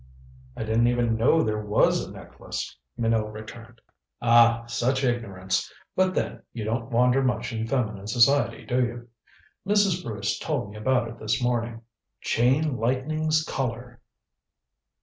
"I didn't even know there was a necklace," Minot returned. "Ah, such ignorance. But then, you don't wander much in feminine society, do you? Mrs. Bruce told me about it this morning. Chain Lightning's Collar."